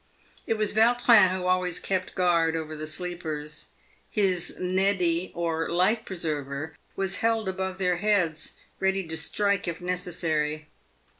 It was Vautrin who always kept guard over the sleepers. His M neddy," or life preserver, was held above their heads, ready to strike if necessary.